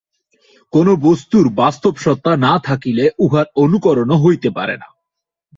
কোন বস্তুর বাস্তব সত্তা না থাকিলে উহার অনুকরণও হইতে পারে না।